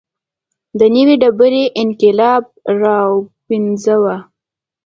د نوې ډبرې انقلاب راوپنځاوه.